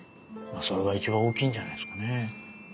それがいちばん大きいんじゃないですかね。